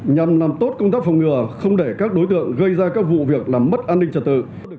nhằm làm tốt công tác phòng ngừa không để các đối tượng gây ra các vụ việc làm mất an ninh trật tự